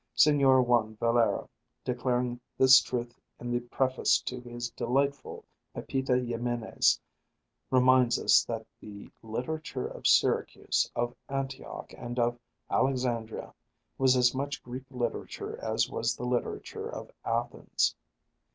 Se√Īor Juan Valera, declaring this truth in the preface to his delightful Pepita Ximenez, reminds us that "the literature of Syracuse, of Antioch, and of Alexandria was as much Greek literature as was the literature of Athens."